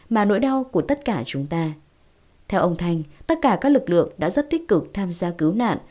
mà nỗi đau của tất cả chúng ta theo ông thành tất cả các lực lượng đã rất tích cực tham gia cứu nạn